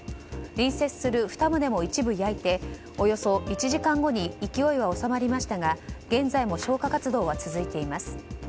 隣接する２棟も一部焼いておよそ１時間後に勢いは収まりましたが現在も消火活動は続いています。